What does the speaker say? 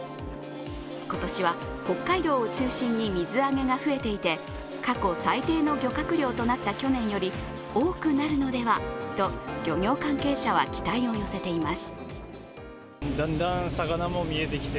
今年は北海道を中心に水揚げが増えていて、過去最低の漁獲量となった去年より多くなるのではと漁業関係者は期待を寄せています。